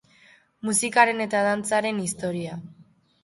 Musikaren eta Dantzaren Historia